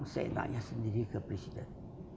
seenaknya sendiri ke presiden